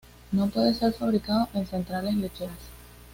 No puede ser fabricado en centrales lecheras.